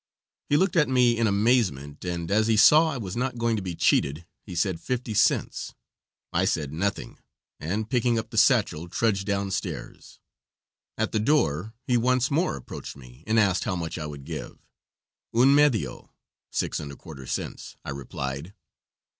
He looked at me in amazement, and as he saw I was not going to be cheated he said fifty cents. I said nothing, and, picking up the sachel, trudged down stairs. At the door he once more approached me and asked how much I would give. "Un medio" (six and a quarter cents), I replied.